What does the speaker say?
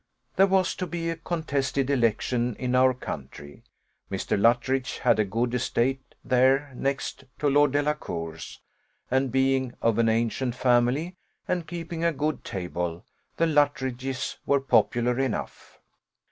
There was to be a contested election in our country: Mr. Luttridge had a good estate there next to Lord Delacour's, and being of an ancient family, and keeping a good table, the Luttridges were popular enough.